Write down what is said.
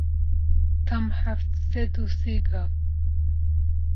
Tam heft sed û sî gav.